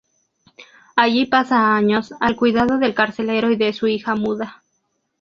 Allí pasa años al cuidado del carcelero y de su hija muda.